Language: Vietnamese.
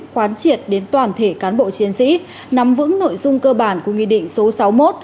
quán triệt đến toàn thể cán bộ chiến sĩ nắm vững nội dung cơ bản của nghị định số sáu mươi một